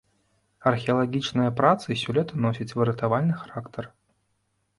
Археалагічныя працы сёлета носяць выратавальны характар.